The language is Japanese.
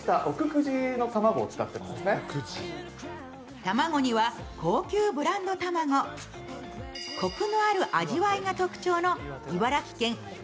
卵には高級ブランド卵、こくのある味わいが特徴の茨城県奥